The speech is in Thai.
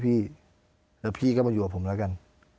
เดี๋ยวพี่ก็มาอยู่กับผมแล้วกัน